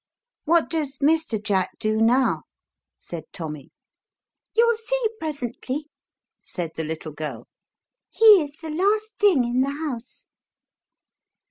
" What does Mr. Jack do now?" said Tommy. "You'll see presently," said the little girl ;" he is the last thing in the house."